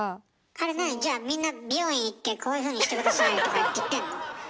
あれ何じゃあみんな美容院行ってこういうふうにして下さいとか言ってんの？